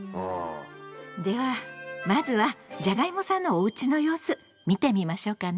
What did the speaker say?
ではまずはじゃがいもさんのおうちの様子見てみましょうかね。